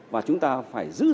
và chúng ta phải giải quyết